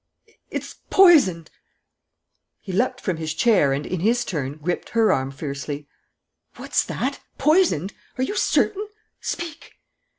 "It's poisoned!" He leapt from his chair and, in his turn, gripped her arm fiercely: "What's that? Poisoned! Are you certain? Speak!"